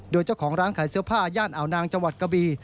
โดยเจ้าของร้านขายเสื้อผ้าย่านอ่าวนางจังหวัดกะบี